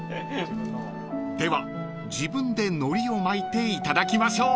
［では自分で海苔を巻いていただきましょう］